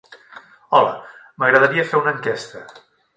Hola, m'agradaria fer una enquesta.